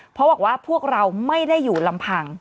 เพราะบอกว่าพวกเราไม่ได้อยู่ลำพัง